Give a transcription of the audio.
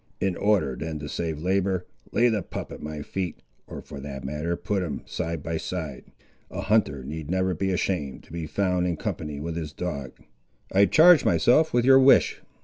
In order then to save labour, lay the pup at my feet, or for that matter put him, side by side. A hunter need never be ashamed to be found in company with his dog!" "I charge myself with your wish."